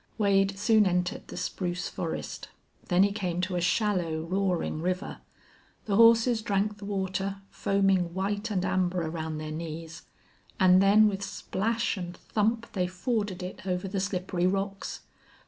Wade soon entered the spruce forest. Then he came to a shallow, roaring river. The horses drank the water, foaming white and amber around their knees, and then with splash and thump they forded it over the slippery rocks.